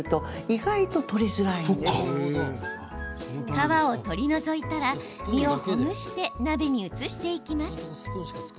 皮を取り除いたら身をほぐして鍋に移していきます。